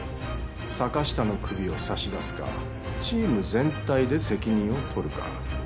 坂下の首を差し出すかチーム全体で責任を取るか。